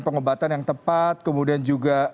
pengobatan yang tepat kemudian juga